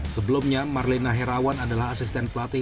sebelumnya marlina herawan adalah asisten pelatih